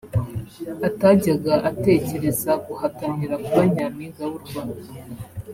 atajyaga atekereza guhatanira kuba nyampinga w’u Rwanda